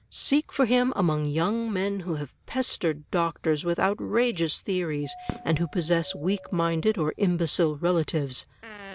Seek CLOSE OBSERVATION I43 for him among young men who have pestered doctors with out rageous theories, and who possess weak minded or imbecile relatives.'